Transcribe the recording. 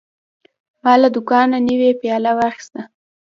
ما له دوکانه نوی پیاله واخیسته.